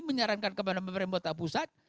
menyarankan kepada pemerintah pusat